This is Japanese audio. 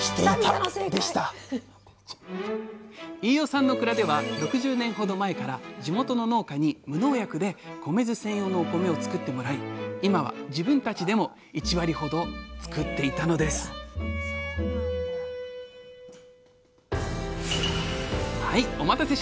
飯尾さんの蔵では６０年ほど前から地元の農家に無農薬で米酢専用のお米をつくってもらい今は自分たちでも１割ほどつくっていたのですお待たせしました！